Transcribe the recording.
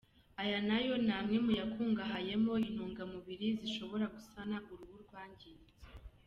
Aya nayo ni amwe mu yakungahayemo intungamubiri zishobora gusana uruhu rwangiritse.